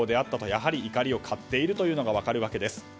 やはり怒りを買っているのが分かるわけです。